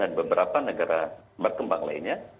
dan beberapa negara berkembang lainnya